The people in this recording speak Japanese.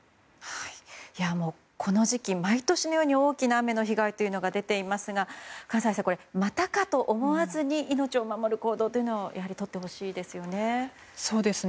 この時期毎年のように大きな雨の被害が出ていますが閑歳さん、またかと思わずに命を守る行動をとってほしいですよね。